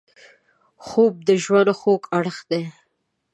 خوب د ژوند خوږ اړخ دی